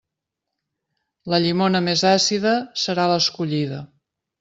La llimona més àcida serà l'escollida.